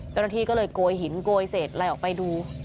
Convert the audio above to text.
เจ้าหน้าที่ก็เลยโกยหรือเหงอกลโยเสร็จลายออกไปดู